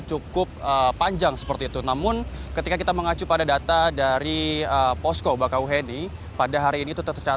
cukup panjang seperti itu namun ketika kita mengacu pada data dari posko bakauheni pada hari ini